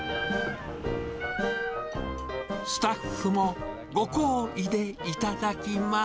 スタッフもご厚意で頂きます。